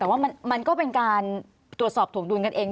แต่ว่ามันก็เป็นการตรวจสอบถวงดุลกันเอง